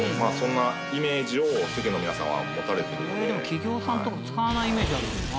企業さんとか使わないイメージあるけどな。